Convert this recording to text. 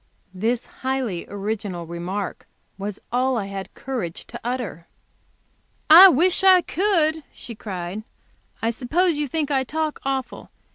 This highly original remark was all I had courage to utter. "I wish I could," she cried. "I suppose you think I talk awful.